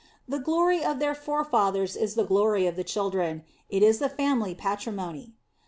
The glory of their forefathers is the glory of the children ; it is the family patri mony.